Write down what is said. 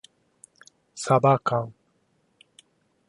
さばかん